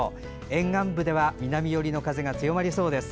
沿岸部では南寄りの風が強まりそうです。